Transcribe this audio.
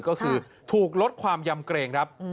ก็คือถูกลดความยำเกรงครับ